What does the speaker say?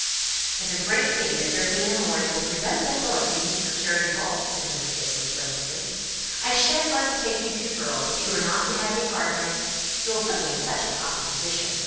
"It's a great pity that their being in mourning will prevent their going to the Easter charity ball," said Mrs. Gibson, plaintively. "I shan't like to take you two girls, if you are not to have any partners. It will put me in such an awkward position.